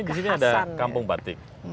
di sini ada kampung batik